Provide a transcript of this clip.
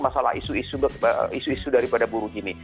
masalah isu isu daripada buruh gini